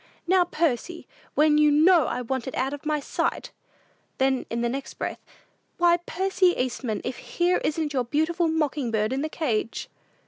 "Now, Percy! When you know I want it out of my sight!" Then, in the next breath, "Why, Percy Eastman, if here isn't your beautiful mocking bird in the cage!"